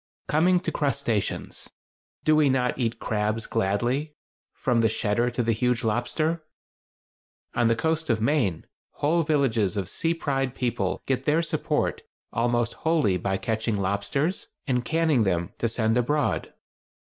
Coming to crustaceans—do we not eat crabs gladly, from the "shedder" to the huge lobster? On the coast of Maine whole villages of sea side people get their support almost wholly by catching lobsters and canning them to send abroad.